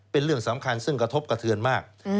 เป็นเรื่องสำคัญซึ่งกระทบกระเทือนมาก